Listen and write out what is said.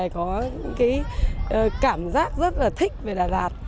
có cảm giác rất thích về đà lạt